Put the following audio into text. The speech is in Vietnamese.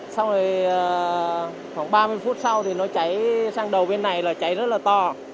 xong rồi khoảng ba mươi phút sau thì nó cháy sang đầu bên này là cháy rất là to